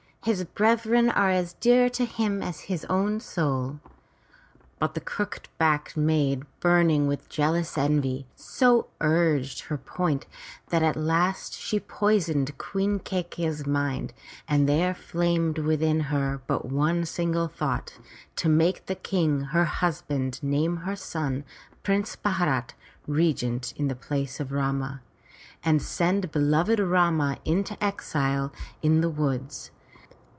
His brethren are as dear to him as his own soul.'' But the crook backed maid, burning with jealous envy, so urged her point that at the last she poisoned Queen Kai key'i's mind, and there flamed within her but one single thought, to make the King, her husband, name her son. Prince Bharat, regent in the place of Rama, and send beloved Rama into exile in the woods.